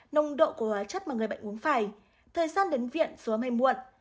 nồng độ của hóa chất mà người bệnh uống phải thời gian đến viện dù mây muộn